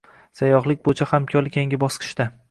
Sayyohlik boʻyicha hamkorlik yangi bosqichda